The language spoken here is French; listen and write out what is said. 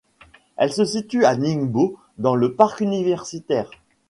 Elle se situe à Ningbo dans le parc universitaire.